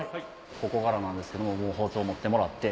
ここからなんですけど包丁持ってもらって。